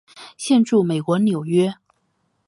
现住美国纽约。